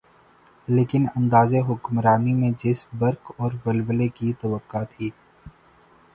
لیکن انداز حکمرانی میں جس برق اورولولے کی توقع تھی۔